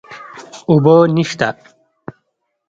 اوبه نشته